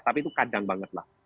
tapi itu kadang banget lah